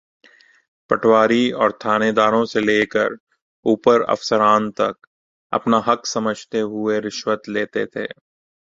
پٹواری اورتھانیداروں سے لے کر اوپر افسران تک اپنا حق سمجھتے ہوئے رشوت لیتے تھے۔